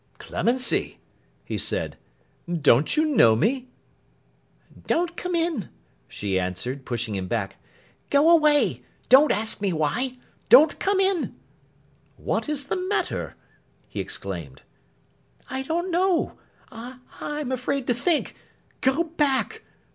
'Clemency,' he said, 'don't you know me?' 'Don't come in!' she answered, pushing him back. 'Go away. Don't ask me why. Don't come in.' 'What is the matter?' he exclaimed. 'I don't know. I—I am afraid to think. Go back.